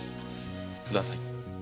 ください。